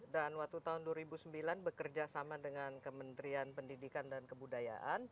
dan waktu tahun dua ribu sembilan bekerja sama dengan kementerian pendidikan dan kebudayaan